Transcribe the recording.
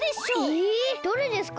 えどれですか？